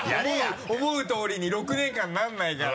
思うとおりに６年間ならないから。